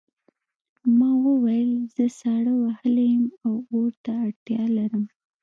ما وویل زه ساړه وهلی یم او اور ته اړتیا لرم